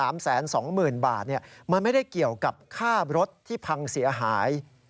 ๒๐๐๐บาทมันไม่ได้เกี่ยวกับค่ารถที่พังเสียหาย